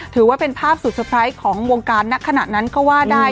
ถือว่าเป็นภาพสุดเซอร์ไพรส์ของวงการณขณะนั้นก็ว่าได้